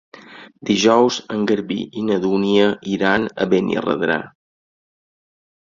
Dijous en Garbí i na Dúnia iran a Benirredrà.